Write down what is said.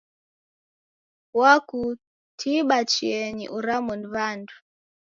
Wakutiba chienyi uramo ni w'andu?